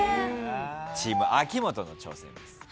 チーム秋元の挑戦です。